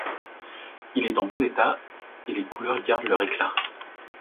Il est en bon état, et les couleurs gardent leur éclat.